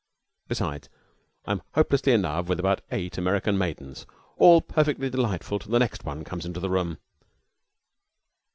Besides, I am hopelessly in love with about eight American maidens all perfectly delightful till the next one comes into the room.